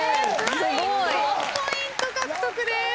３ポイント獲得です。